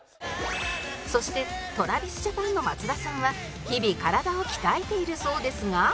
そして ＴｒａｖｉｓＪａｐａｎ の松田さんは日々体を鍛えているそうですが